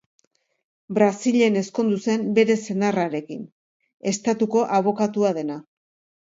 Brasilen ezkondu zen bere senarrarekin, Estatuko Abokatua dena.